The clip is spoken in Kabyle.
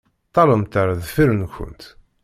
Ṭṭalemt ar deffir-nkent.